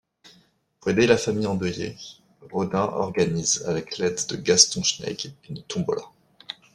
Pour aider la famille endeuillée, Rodin organise, avec l’aide de Gaston Schnegg, une tombola.